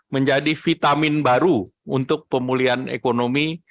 menjadi vitamin baru untuk pemulihan ekonomi